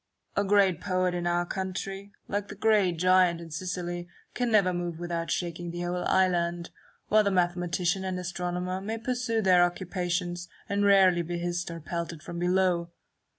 A great poet in our country, like the great giant in Sicily, can never move without shaking the whole island ; while the mathematician and astronomer may pursue their occupations, and rarely be hissed or pelted from below.